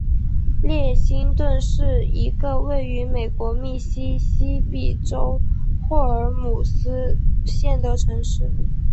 列辛顿是一个位于美国密西西比州霍尔姆斯县的城市。